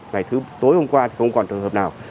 ngày thứ tối hôm qua thì không còn trường hợp nào